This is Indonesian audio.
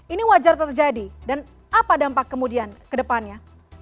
ini wajar tetap jadi dan apa dampak kemudian kedepannya